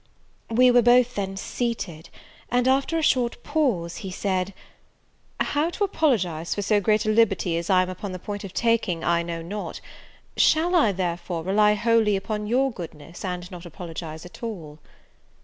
We were then both seated; and, after a short pause, he said, "How to apologize for so great a liberty as I am upon the point of taking, I know not; shall I, therefore, rely wholly upon your goodness, and not apologize at all?"